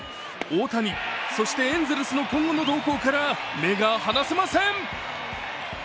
大谷、そしてエンゼルスの今後の動向から目が離せません。